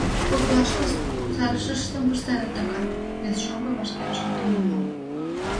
— Коклашкышт кусарышыштым пыштеныт докан, — вес шоҥго вашке вашмутым муо.